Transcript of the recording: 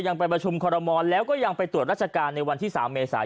ยังไปประชุมคอรมอลแล้วก็ยังไปตรวจราชการในวันที่๓เมษา